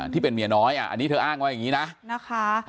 ที่เป็นเมียน้อยอันนี้เธออ้างว่าอย่างนี้นะนะคะ